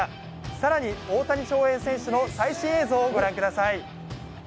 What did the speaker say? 更に大谷翔平選手の最新映像をご覧ください。